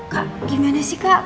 kak gimana sih kak